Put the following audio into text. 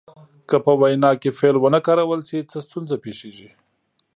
که په وینا کې فعل ونه کارول شي څه ستونزه پیښیږي.